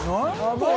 これ！